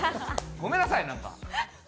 ごめんなさい、なんか。